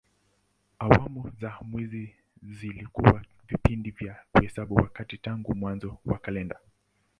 Awamu za mwezi zilikuwa vipindi vya kuhesabu wakati tangu mwanzo wa kalenda.